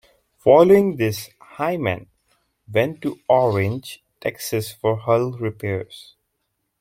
Following this, "Hyman" went to Orange, Texas, for hull repairs.